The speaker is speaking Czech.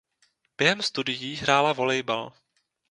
Během studií hrála volejbal.